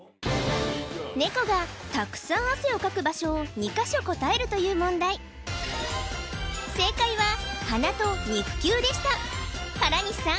ネコがたくさん汗をかく場所を２か所答えるという問題でした原西さん